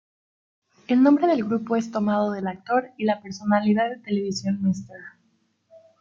El nombre del grupo es tomado del actor y la personalidad de televisión Mr.